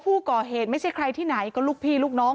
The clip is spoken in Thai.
ผู้ก่อเหตุไม่ใช่ใครที่ไหนก็ลูกพี่ลูกน้อง